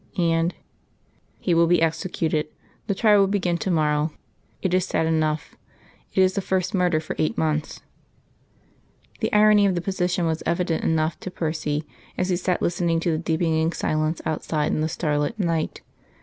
"And " "He will be executed. The trial will begin to morrow.... It is sad enough. It is the first murder for eight months." The irony of the position was evident enough to Percy as he sat listening to the deepening silence outside in the starlit night.